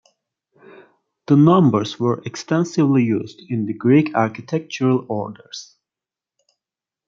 The numbers were extensively used in the Greek architectural orders.